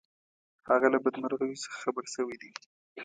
هغه له بدمرغیو څخه خبر شوی دی.